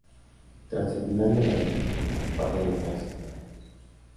Tras el final de la guerra civil, pasa a editarse en Madrid.